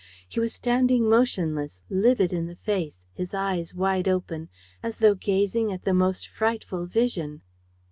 He was standing motionless, livid in the face, his eyes wide open, as though gazing at the most frightful vision.